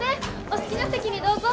お好きな席にどうぞ。